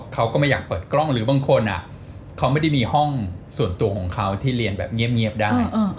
เขาก็ไม่อยากเปิดกล้องหรือบางคนเขาไม่ได้มีห้องส่วนตัวของเขาที่เรียนแบบเงียบได้